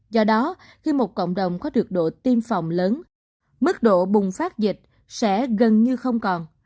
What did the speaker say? do đó khi một cộng đồng có được độ tiêm phòng lớn mức độ bùng phát dịch sẽ gần như không còn